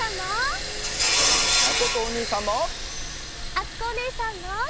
あつこおねえさんも。